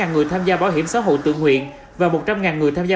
bảy người tham gia báo hiểm xã hội tự nguyện và một trăm linh người tham gia